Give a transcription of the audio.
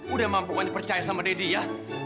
udah mam pokoknya percaya sama deddy ya